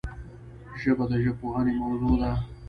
ژبه د ژبپوهنې موضوع ده